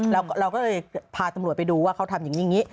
แล้วเราก็พาตำรวจไปดูว่าเค้าทำอย่างนี้